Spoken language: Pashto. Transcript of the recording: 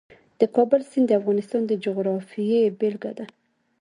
د کابل سیند د افغانستان د جغرافیې بېلګه ده.